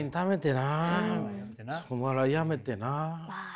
お笑いやめてな。